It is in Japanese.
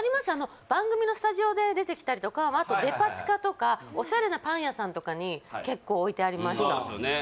番組のスタジオで出てきたりとかあとデパ地下とかオシャレなパン屋さんとかに結構置いてありましたそうですよね